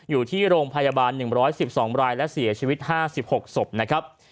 อยู่ที่โรงพยาบาล๑๑๒รายและเสียชีวิต๕๖ศพนะครับ